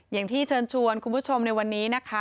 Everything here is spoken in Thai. อย่างที่เชิญชวนคุณผู้ชมในวันนี้นะคะ